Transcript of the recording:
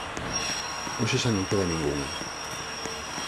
Hoxe xa non queda ningunha.